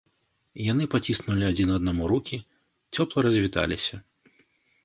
Яны паціснулі адзін аднаму рукі, цёпла развіталіся.